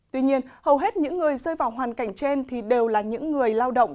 tuy nhiên hầu hết những người rơi vào hoàn cảnh trên thì đều là những người lao động